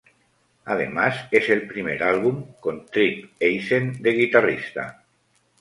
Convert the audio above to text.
Además es el primer álbum con Tripp Eisen de guitarrista.